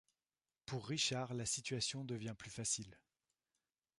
Pour Richard, la situation devient plus facile.